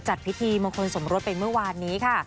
จัดพิธีมงคลสมรสไปเมื่อวานนี้ค่ะ